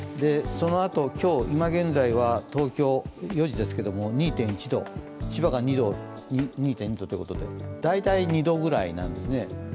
そのあと今日、いま現在は東京、４時ですけど２．１度千葉が２．２度ということで２度くらいなんですね。